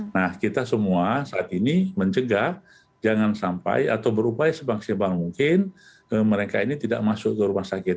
nah kita semua saat ini mencegah jangan sampai atau berupaya sebang sebang mungkin mereka ini tidak masuk ke rumah sakit